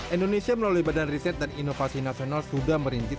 indonesia melalui badan riset dan inovasi nasional sudah merintis